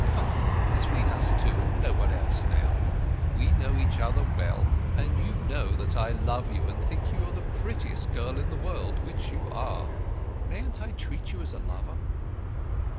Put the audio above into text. Come, between us two and nobody else, now. We know each other well; and you know that I love you, and think you the prettiest girl in the world, which you are. Mayn't I treat you as a lover?"